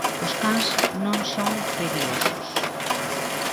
Os cans non son perigosos.